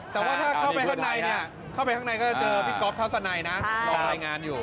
แต่ว่าถ้าเข้าไปข้างในเนี่ยเข้าไปข้างในก็จะเจอพี่ก๊อฟทัศนัยนะรอรายงานอยู่